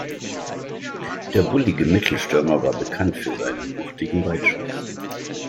Der bullige Mittelstürmer war bekannt für seinen wuchtigen Weitschuss.